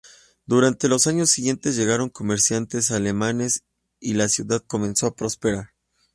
Durante los años siguiente llegaron comerciantes alemanes y la ciudad comenzó a prosperar.